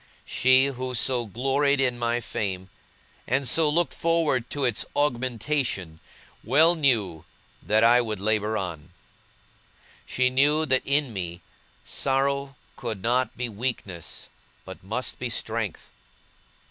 She, who so gloried in my fame, and so looked forward to its augmentation, well knew that I would labour on. She knew that in me, sorrow could not be weakness, but must be strength.